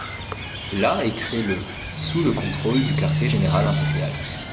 La est créée le sous le contrôle du quartier-général impérial.